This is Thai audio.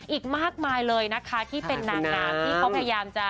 อีกมากมายเลยนะคะที่เป็นนางงามที่เขาพยายามจะ